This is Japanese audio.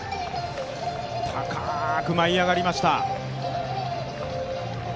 高く舞い上がりました。